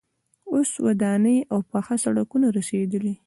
اوس ودانۍ او پاخه سړکونه رسیدلي.